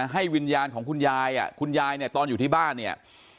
วิญญาณของคุณยายคุณยายเนี่ยตอนอยู่ที่บ้านเนี่ย